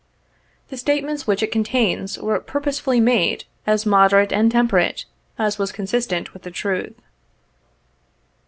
The statements which it contains, were purposely made as moderate and temperate as was con sistent with the truth.